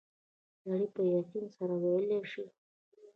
سړی په یقین سره ویلای شي.